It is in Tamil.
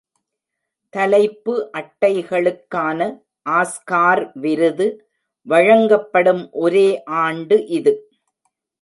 தலைப்பு அட்டைகளுக்கான ஆஸ்கார் விருது வழங்கப்படும் ஒரே ஆண்டு இது.